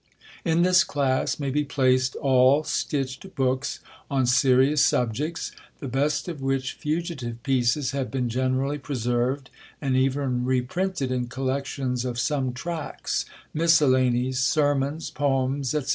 In this class may be placed all stitched books on serious subjects, the best of which fugitive pieces have been generally preserved, and even reprinted in collections of some tracts, miscellanies, sermons, poems, &c.